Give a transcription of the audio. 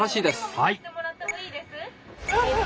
はい。